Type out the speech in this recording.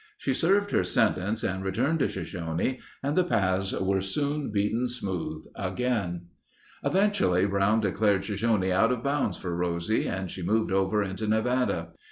She served her sentence and returned to Shoshone and the paths were soon beaten smooth again. Eventually Brown declared Shoshone out of bounds for Rosie and she moved over into Nevada.